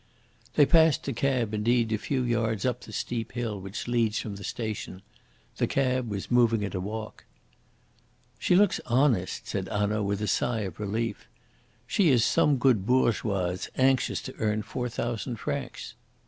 They passed the cab, indeed, a few yards up the steep hill which leads from the station. The cab was moving at a walk. "She looks honest," said Hanaud, with a sigh of relief. "She is some good bourgeoise anxious to earn four thousand francs."